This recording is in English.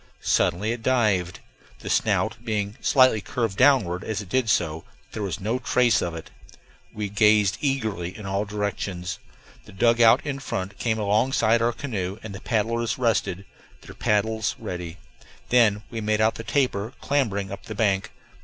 Suddenly it dived, the snout being slightly curved downward as it did so. There was no trace of it; we gazed eagerly in all directions; the dugout in front came alongside our canoe and the paddlers rested, their paddles ready. Then we made out the tapir clambering up the bank.